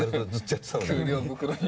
給料袋に。